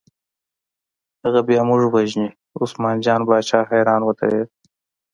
هغه بیا موږ وژني، عثمان جان باچا حیران ودرېد.